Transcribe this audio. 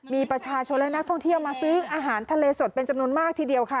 มีประชาชนและนักท่องเที่ยวมาซื้ออาหารทะเลสดเป็นจำนวนมากทีเดียวค่ะ